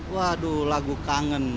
waduh lagu kangen